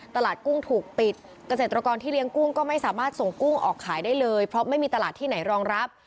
กุ้งถูกปิดเกษตรกรที่เลี้ยงกุ้งก็ไม่สามารถส่งกุ้งออกขายได้เลยเพราะไม่มีตลาดที่ไหนรองรับ